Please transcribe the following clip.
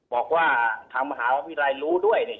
บอกว่าทางมหาวิทยาลัยรู้ด้วยเนี่ย